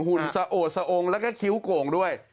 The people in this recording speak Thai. หุ่นสะโอดสะองแล้วก็คิ้วโก่งด้วย